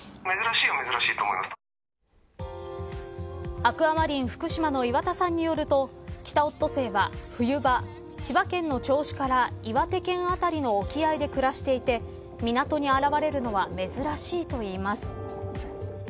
アクアマリンふくしまの岩田さんによるとキタオットセイは冬場千葉県の銚子から岩手県辺りの沖合で暮らしていて港に現れるのは珍しいといいます。